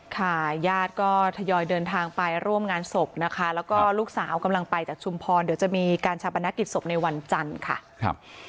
ค่ะญาติก็ทยอยเดินทางไปร่วมงานศพนะคะแล้วก็ลูกสาวกำลังไปจากชุมพรเดี๋ยวจะมีการชาปนกิจศพในวันจันทร์ค่ะ